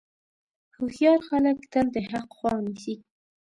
هوښیار خلک تل د حق خوا نیسي.